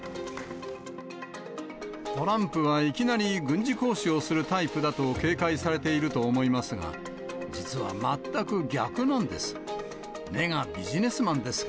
トランプは、いきなり軍事行使をするタイプだと警戒されていると思いますが、実は全く逆なんです。